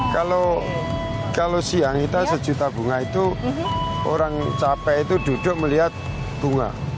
kalau siang kita sejuta bunga itu orang capek itu duduk melihat bunga